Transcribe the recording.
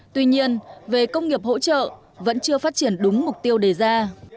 tuy nhiên về công nghiệp hỗ trợ vẫn chưa phát triển đúng mục tiêu đề ra